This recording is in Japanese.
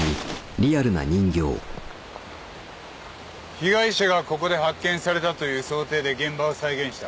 被害者がここで発見されたという想定で現場を再現した。